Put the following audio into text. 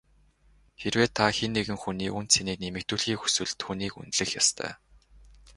Хэрвээ та хэн нэгэн хүний үнэ цэнийг нэмэгдүүлэхийг хүсвэл түүнийг үнэлэх ёстой.